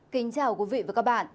kính chào quý vị và các bạn